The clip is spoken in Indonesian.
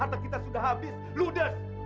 mata kita sudah habis ludes